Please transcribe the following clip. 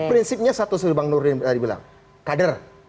prinsipnya satu dari bang nurin tadi bilang kader